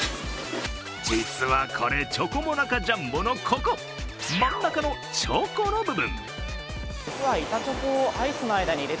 実はこれ、チョコモナカジャンボのここ、真ん中のチョコの部分。